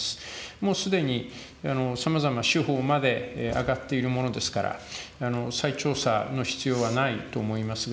もうすでにさまざま、手法まで挙がっているものですから、再調査の必要はないと思いますが、